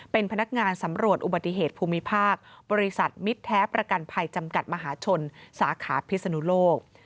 เป็นพนักงานสำรวจอุบัติเหตุภูมิภาคบริษัทมิตรแท้ประกันภัยจำกัดมหาชนสาขาพิศนุโลก